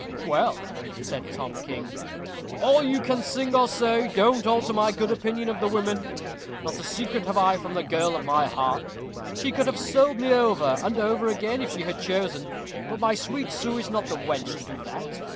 "Well," said Tom King, "all you can sing or say don't alter my good opinion of the women. Not a secret have I from the girl of my heart. She could have sold me over and over again if she had chosen, but my sweet Sue is not the wench to do that."